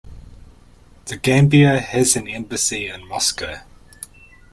The Gambia has an embassy in Moscow.